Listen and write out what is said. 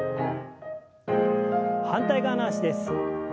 反対側の脚です。